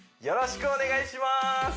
よろしくお願いします！